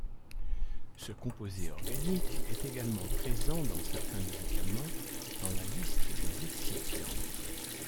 Ce composé organique est également présent dans certains médicaments, dans la liste des excipients.